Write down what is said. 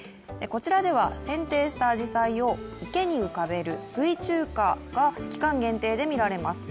こちらでは剪定したあじさいを池に浮かべる水中華が期間限定で見られます。